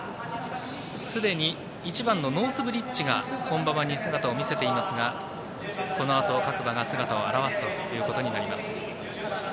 すでに１番のノースブリッジが本馬場に姿を見せていますがこのあと各馬が姿を現すということになります。